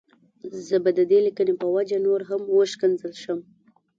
زه به د دې ليکنې په وجه نور هم وشکنځل شم.